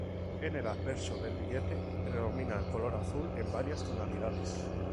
En el anverso del billete predominaba el color azul en varias tonalidades.